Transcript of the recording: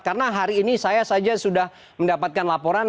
karena hari ini saya saja sudah mendapatkan laporan